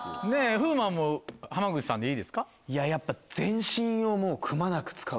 風磨も浜口さんでいいですか？